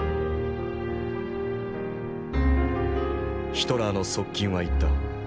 ヒトラーの側近は言った。